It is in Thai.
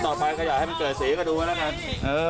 ต่อไปเขาอยากให้มันเกิดเสียก็ดูเหมือนกัน